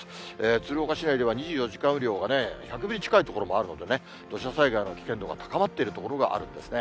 鶴岡市内では２４時間雨量が１００ミリ近い所もあるので、土砂災害の危険度が高まっている所があるんですね。